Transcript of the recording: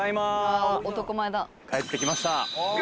帰ってきました。